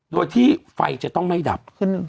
โดยที่ไฟจะต้องไม่ดับ